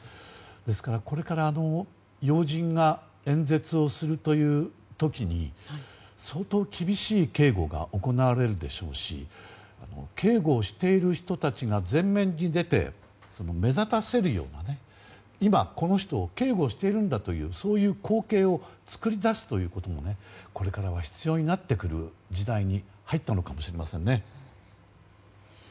ですから、これから要人が演説をするという時に相当厳しい警護が行われるでしょうし警護をしている人たちが前面に出て目立たせるような今、この人を警護しているんだというそういう光景を作り出すということもこれからは必要になってくる時代に入ったのかもしれません。